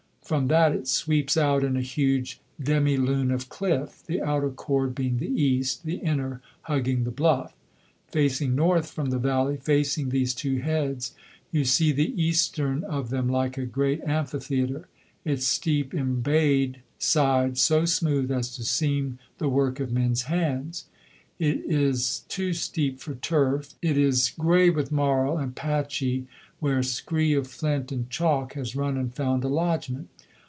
From that it sweeps out in a huge demi lune of cliff, the outer cord being the east, the inner hugging the bluff. Facing north from the valley, facing these two heads, you see the eastern of them like a great amphitheatre, its steep embayed side so smooth as to seem the work of men's hands. It is too steep for turf; it is grey with marl, and patchy where scree of flint and chalk has run and found a lodgment.